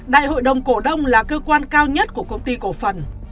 đại hội đồng cổ đông là cơ quan cao nhất của công ty cổ phần